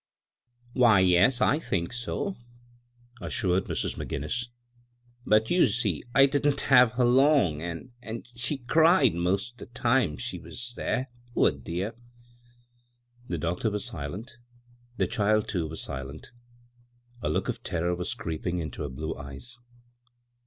" Why, yes, I think so," assured Mrs. Mo Ginnis; "but you see I didn't have her loog, an' — an' she cried 'most the time she was there — poor dear I " The doctor was silent. The child, too, was silent A look of terror was creeping into her blue eyes.